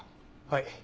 はい。